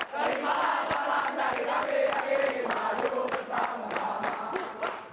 terima salam dari kami yang ingin maju bersama sama